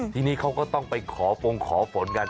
ทีนี้เขาก็ต้องไปขอฟงขอฝนกัน